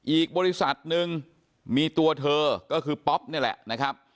อีกบริษัทหนึ่งมีตัวเธอก็คือป๊อปนี่แหละนะครับ